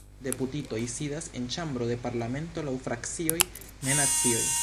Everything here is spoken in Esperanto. Deputitoj sidas en ĉambro de parlamento laŭ frakcioj, ne nacioj.